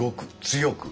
強く。